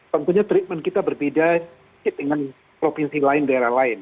tentunya treatment kita berbeda dengan provinsi lain daerah lain